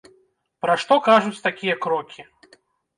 Пра што кажуць такія крокі?